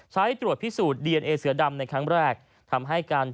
ใช้ตรวจพิสูจน์ดีเอเสือดำ